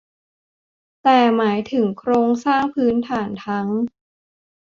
แต่หมายถึงโครงสร้างพื้นฐานทั้ง